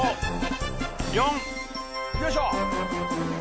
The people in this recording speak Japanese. ４よいしょ・